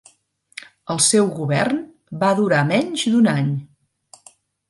El seu govern va durar menys d'un any.